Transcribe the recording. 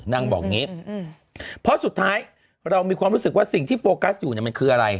นางบอกอย่างนี้เพราะสุดท้ายเรามีความรู้สึกว่าสิ่งที่โฟกัสอยู่เนี่ยมันคืออะไร